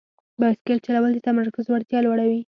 بایسکل چلول د تمرکز وړتیا لوړوي.